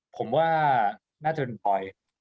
ผมว่าน่าจะเป็นพลอย